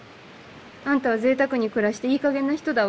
あんたはぜいたくに暮らしていいかげんな人だわ。